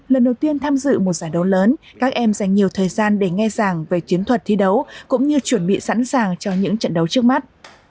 lần đầu tiên tham dự một giải đấu lớn các em dành nhiều thời gian để nghe giảng về chiến thuật thi đấu cũng như chuẩn bị sẵn sàng cho những trận đấu trước mắt